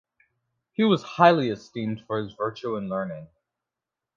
He was highly esteemed for virtue and learning.